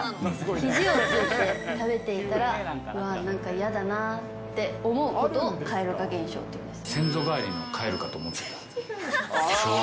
ひじをついて食べていたら、うわ、なんか嫌だなって思うことを蛙化現象っていいます。